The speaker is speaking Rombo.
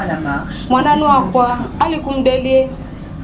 Mwananu wakwa alikumdelye.